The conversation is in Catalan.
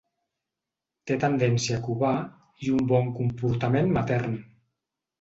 Té tendència a covar i un bon comportament matern.